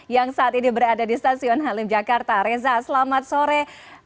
yang saat ini berada di stasiun halim jakarta reza selamat sore